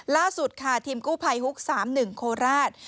ล่าสุดค่ะทีมกู้ภัยฮุกส์สามหนึ่งโคราช